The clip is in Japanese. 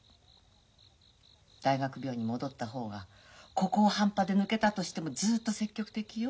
大学病院に戻った方がここを半端で抜けたとしてもずっと積極的よ。